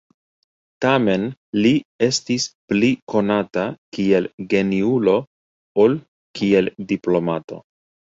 Tamen li estis pli konata kiel geniulo ol kiel diplomato.